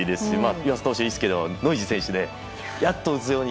湯浅投手いいですけどノイジー選手やっと打つように。